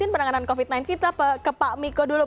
penanganan covid sembilan belas kita ke pak miko dulu